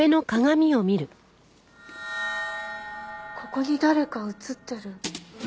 ここに誰か映ってる。